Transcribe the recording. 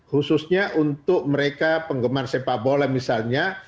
khususnya untuk mereka penggemar sepak bola misalnya